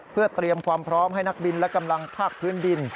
เพื่อเตรียมความพร้อมให้นักบินและกำลังภาคพื้นดิน